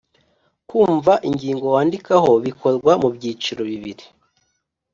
Kumva ingingo wandikaho bikorwa mu byiciro bibiri: